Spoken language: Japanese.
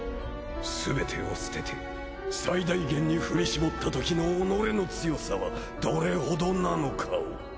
すべてを捨てて最大限に振り絞ったときの己の強さはどれほどなのかを。